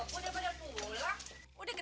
kok balik lagi